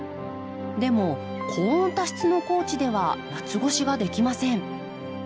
でも高温多湿の高知では夏越しができません。